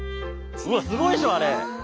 うわっすごいでしょあれ。